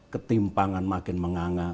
ketimpangan makin menganga